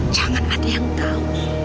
jangan ada yang tahu